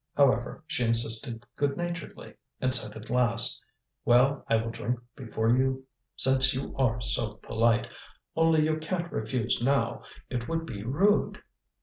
However, she insisted good naturedly, and said at last: "Well, I will drink before you since you are so polite. Only you can't refuse now, it would be rude."